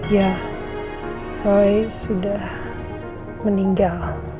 ya roy sudah meninggal